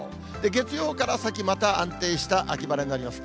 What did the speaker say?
月曜から先、また安定した秋晴れになります。